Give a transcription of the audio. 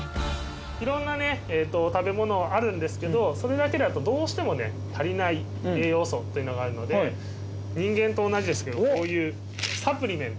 いろんなね食べ物あるんですけどそれだけだとどうしてもね足りない栄養素っていうのがあるので人間と同じですけどこういうサプリメント。